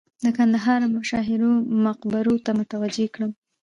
د کندهار مشاهیرو مقبرو ته متوجه کړم.